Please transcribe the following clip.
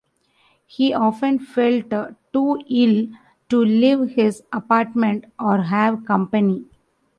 He often felt too ill to leave his apartment or have company.